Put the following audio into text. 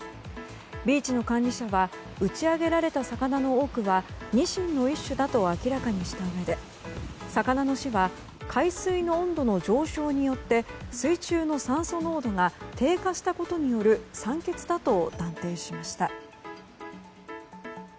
ビーチの管理者は打ち上げられた魚の多くはニシンの一種だと明らかにしたうえで魚の死は海水の温度の上昇によって水中の酸素濃度が低下したことによる酸欠だと断定しました。